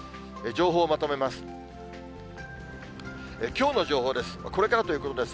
情報をまとめます。